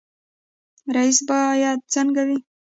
رئیس باید څنګه وي؟